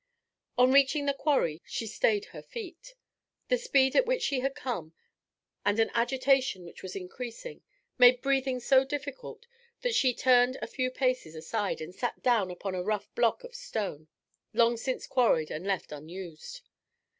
On reaching the quarry, she stayed her feet. The speed at which she had come, and an agitation which was increasing, made breathing so difficult that she turned a few paces aside, and sat down upon a rough block of stone, long since quarried and left unused.